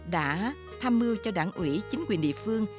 đã tham mưu cho đảng ủy chính quyền địa phương